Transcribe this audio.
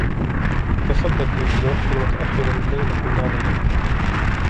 اتصلت بي في وقت متأخر الليلة الماضية.